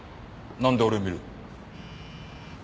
なんで俺を見る？